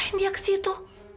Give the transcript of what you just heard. kenapa dia ke situ